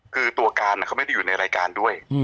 คือตัวการเขาไม่ได้อยู่ในรายการด้วย